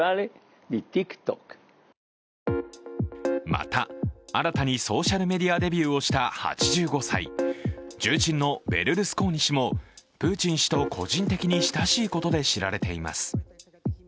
また、新たにソーシャルメディアデビューをした８５歳重鎮のベルルスコーニ氏もプーチン氏と個人的に親しいことで知られています。